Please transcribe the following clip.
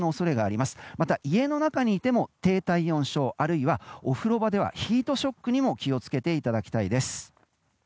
また家の中にいても低体温症あるいは、お風呂場ではヒートショックにも気を付けていただきたいです。